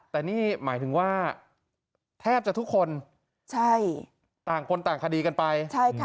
แต่นี่หมายถึงว่าแทบจะทุกคนใช่ต่างคนต่างคดีกันไป